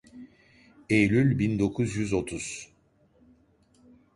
Eylül bin dokuz yüz otuz.